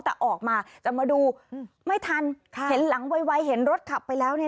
แต่ออกมาจะมาดูไม่ทันเห็นหลังไวเห็นรถขับไปแล้ว